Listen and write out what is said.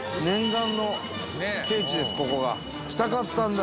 伊達：来たかったんだ！